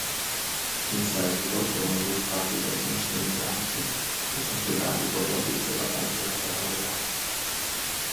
In seguito furono adottati i calzoncini bianchi per completare i colori della bandiera paraguaiana.